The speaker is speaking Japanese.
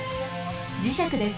磁石です。